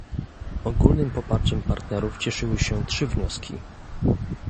Ogólnym poparciem partnerów cieszyły się trzy wnioski